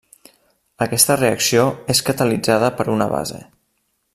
Aquesta reacció és catalitzada per una base.